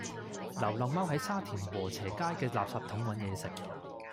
流浪貓喺沙田禾輋街嘅垃圾桶搵野食